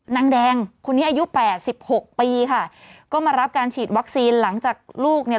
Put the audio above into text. นางแดงคนนี้อายุแปดสิบหกปีค่ะก็มารับการฉีดวัคซีนหลังจากลูกเนี่ย